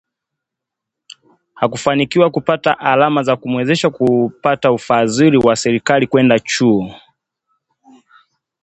hakufanikiwa kupata alama za kumwezesha kupata ufadhili wa serikali kwenda chuo